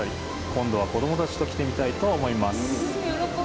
今度は子供たちと来てみたいと思います。